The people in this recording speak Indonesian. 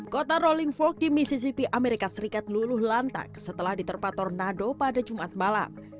kota rolling fork di misisity amerika serikat luluh lantak setelah diterpator nado pada jumat malam